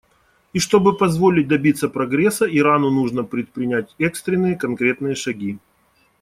И чтобы позволить добиться прогресса, Ирану нужно предпринять экстренные конкретные шаги.